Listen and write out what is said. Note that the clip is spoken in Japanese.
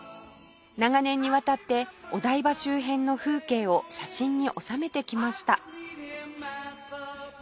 長年にわたってお台場周辺の風景を写真に収めてきました